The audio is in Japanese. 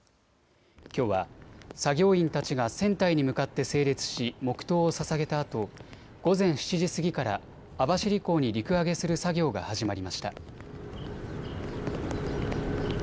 きょうは作業員たちが船体に向かって整列し、黙とうをささげたあと午前７時過ぎから網走港に陸揚げする作業が始まりました。